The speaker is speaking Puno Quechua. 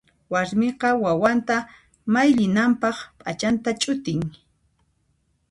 Warmiqa wawanta mayllinanpaq p'achanta ch'utin.